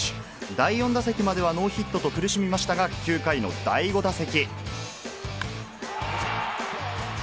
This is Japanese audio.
第４打席まではノーヒットと苦しみましたが、９回の第５打席。